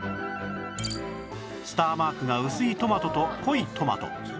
スターマークが薄いトマトと濃いトマト